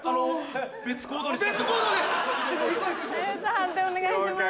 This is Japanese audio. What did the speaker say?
判定お願いします。